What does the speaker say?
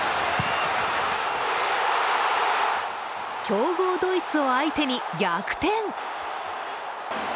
強豪ドイツを相手に逆転！